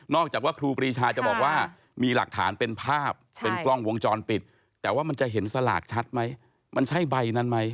จากว่าครูปรีชาจะบอกว่ามีหลักฐานเป็นภาพเป็นกล้องวงจรปิดแต่ว่ามันจะเห็นสลากชัดไหมมันใช่ใบนั้นไหม